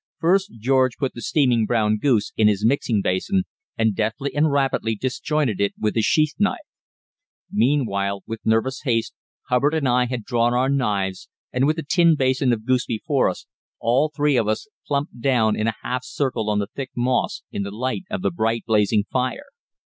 First, George put the steaming brown goose in his mixing basin, and deftly and rapidly disjointed it with his sheath knife. Meanwhile, with nervous haste, Hubbard and I had drawn our knives, and with the tin basin of goose before us, all three of us plumped down in a half circle on the thick moss in the light of the bright blazing fire.